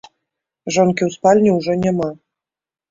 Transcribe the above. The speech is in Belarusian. Жонкі ў спальні ўжо няма.